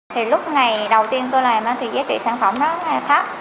thì lúc này đầu tiên tôi làm thì giá trị sản phẩm rất là thấp